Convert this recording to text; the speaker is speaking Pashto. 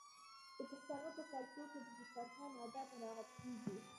د پښتنو په کلتور کې د دسترخان اداب مراعات کیږي.